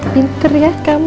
pintar ya kamu